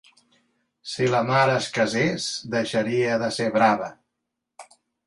Si la mar es casés, deixaria de ser brava.